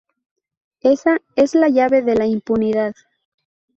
Ésa es la llave de la impunidad".